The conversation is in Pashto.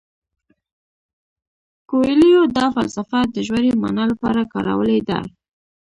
کویلیو دا فلسفه د ژورې مانا لپاره کارولې ده.